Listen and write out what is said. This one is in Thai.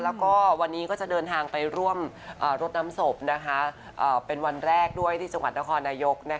แล้วก็วันนี้ก็จะเดินทางไปร่วมรดน้ำศพเป็นวันแรกด้วยที่จังหวัดนครนายก